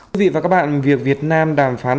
quý vị và các bạn việc việt nam đàm phán